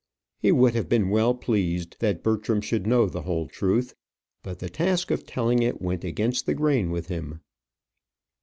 He would have been well pleased that Bertram should know the whole truth; but the task of telling it went against the grain with him.